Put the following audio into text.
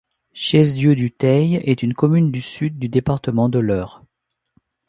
Chaise-Dieu-du-Theil est une commune du Sud du département de l'Eure.